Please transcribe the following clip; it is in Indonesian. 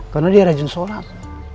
karena dia rajin sholat